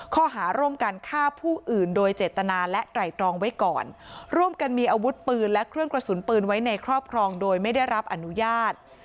ข้อหาร่วมกันฆ่าผู้อื่นโดยเจตนาและไตรตรองไว้ก่อนร่วมกันมีอาวุธปืนและเครื่องกระสุนปืนไว้ในครอบครองโดยไม่ได้รับอนุญาต